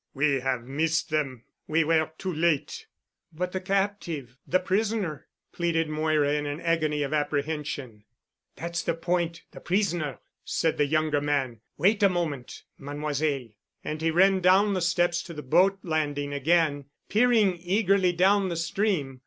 "We have missed them. We were too late——" "But the captive—the prisoner," pleaded Moira, in an agony of apprehension. "That's the point—the prisoner," said the younger man. "Wait a moment, Mademoiselle." And he ran down the steps to the boat landing again, peering eagerly down the stream.